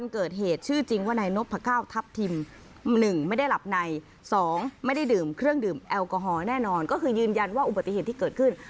ก็ได้ดื่มเครื่องดื่มแอลกอฮอล์แน่นอนก็คือยืนยันว่าอุบัติเหตุที่เกิดขึ้น